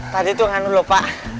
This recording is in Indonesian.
tadi itu ngandung lo pak